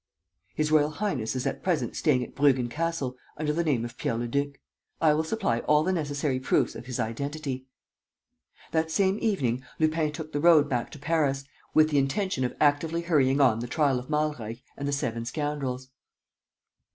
." "His Royal Highness is at present staying at Bruggen Castle, under the name of Pierre Leduc. I will supply all the necessary proofs of his identity." That same evening, Lupin took the road back to Paris, with the intention of actively hurrying on the trial of Malreich and the seven scoundrels.